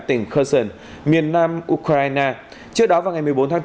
tỉnh kurson miền nam ukraine trước đó vào ngày một mươi bốn tháng bốn